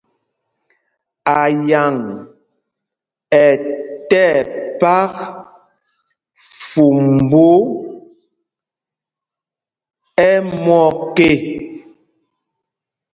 Ayaŋ ɛ tí ɛpak fumbū ɛ́ myɔk ê.